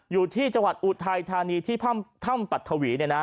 อยู่ที่อุทัยธานีที่ถ้ำปัตถวี